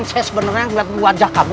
saya benar benar melihat wajahmu